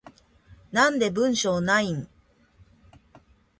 なんで文章ないん？